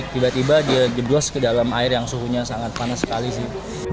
tiba tiba dia jeblos ke dalam air yang suhunya sangat panas sekali sih